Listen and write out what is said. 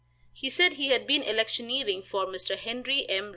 He said he had been electioneering for Mr. Henry M.